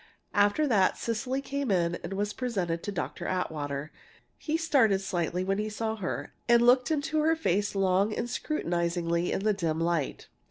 After that, Cecily came in and was presented to Dr. Atwater. He started slightly when he saw her, and looked into her face long and scrutinizingly in the dim light.